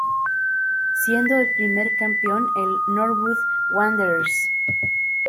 Siendo el primer campeón, el Norwood Wanderers.